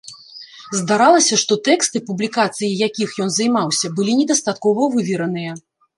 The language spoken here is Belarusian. Здаралася, што тэксты, публікацыяй якіх ён займаўся, былі недастаткова вывераныя.